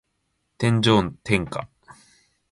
天上天下